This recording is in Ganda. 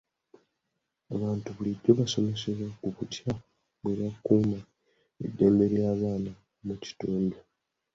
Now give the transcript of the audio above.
Abantu bulijjo basomesebwa ku butya bwe bakuuma eddembe ly'abaana mu kitundu.